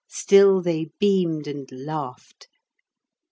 Still they beamed and laughed.